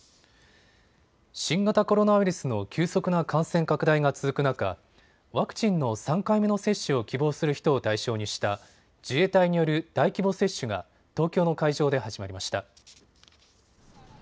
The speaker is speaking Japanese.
新型コロナウイルスの急速な感染拡大が続く中、ワクチンの３回目の接種を希望する人を対象にした自衛隊による大規模接種が東京の会場で始まりました。